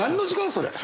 それ。